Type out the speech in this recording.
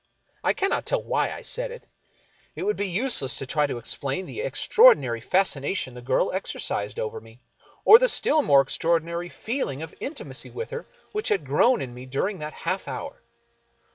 I cannot tell why I said it. It would be useless to try to explain the extraordinary fascination the girl exercised over me, or the still more extraordinary feel ing of intimacy with her which had grown in me during that half hour.